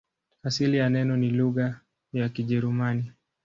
Asili ya neno ni lugha ya Kijerumani.